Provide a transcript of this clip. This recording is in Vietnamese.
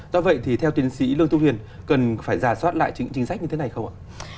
do vậy thì theo tiến sĩ lương thu huyền cần phải giả soát lại chính sách như thế này không ạ